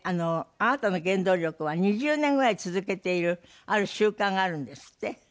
あなたの原動力は２０年ぐらい続けているある習慣があるんですって？